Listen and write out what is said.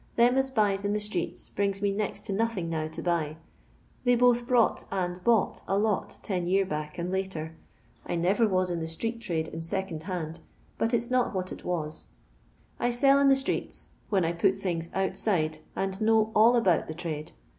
Them as buys in the streets brings me next to nothing now to buy; they both brought and bought a lot ten year back and later. I never was in the street trade in second hand, but it 's not what it was. I sell in the streets, when I put things ontside^ and know all abont the trade.